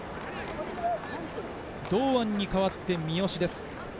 堂安に代わって三好です。